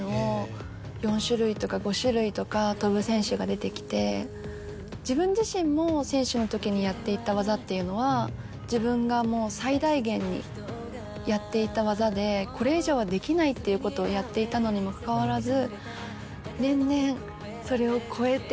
出てきて自分自身も選手のときにやっていた技っていうのは自分がもう最大限にやっていた技でこれ以上はできないということをやっていたのにもかかわらず。